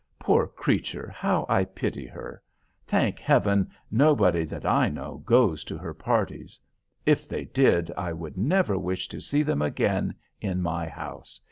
Poor creature, how I pity her! Thank heaven, nobody that I know goes to her parties. If they did I would never wish to see them again in my house.